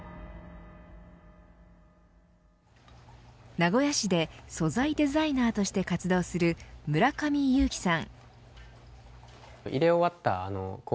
名古屋市で素材デザイナーとして活動する村上結輝さん。